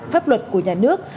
pháp luật của nhà nước